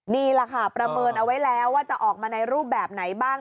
นี่แหละค่ะประเมินเอาไว้แล้วว่าจะออกมาในรูปแบบไหนบ้าง